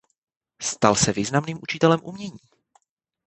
Stal se významným učitelem umění.